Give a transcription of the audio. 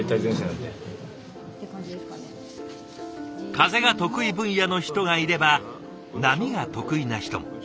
風が得意分野の人がいれば波が得意な人も。